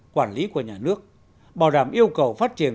quản lý của nhà nước bảo đảm yêu cầu phát triển